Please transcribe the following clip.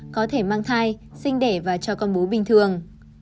có thể mang thai sinh để và cho con bú bình thường